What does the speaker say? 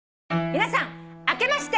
皆さんあけまして。